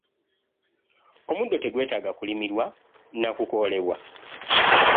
Omuddo tegwetaaga kulimirwa na kukoolebwa.